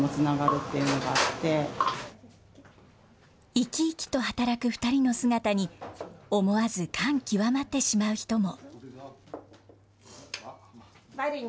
生き生きと働く２人の姿に、思わず感極まってしまう人も。